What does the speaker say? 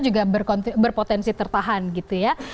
juga berpotensi tertahan gitu ya